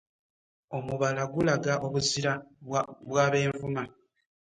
Omubala gulaga obuzira bw’Abenvuma.